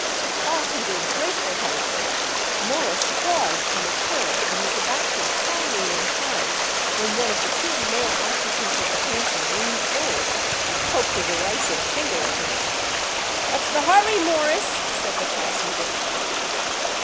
Far from being grateful, however, Morris paused on the curb and was about to retaliate in kind when one of the two male occupants of the hansom leaned forward and poked a derisive finger at him. "What's the hurry, Morris?" said the passenger.